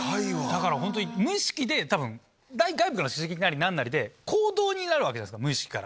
だからホントに無意識で多分外部からの刺激なり何なりで行動になるわけじゃないですか無意識から。